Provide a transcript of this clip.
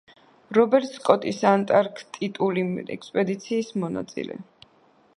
რობერტ სკოტის ორი ანტარქტიკული ექსპედიციის მონაწილე.